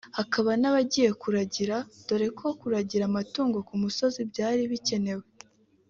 hakaba n’abagiye kuragira dore ko kuragira amatungo ku musozi byari bikemewe